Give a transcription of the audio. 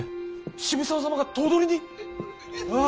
渋沢様が頭取に！